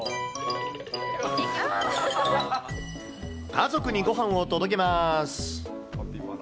家族にご飯を届けます。